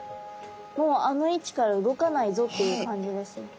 もうあの位置から動かないぞっていう感じですね。